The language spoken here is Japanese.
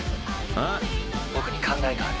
鵝僕に考えがある。